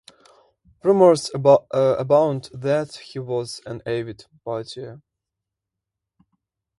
Rumors abound that he was an avid partier.